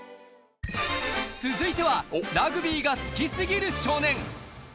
続いてはラグビーが好き過ぎる少年。